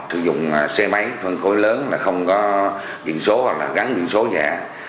sử dụng xe máy phân khối lớn không có biện số hoặc gắn biện số dạ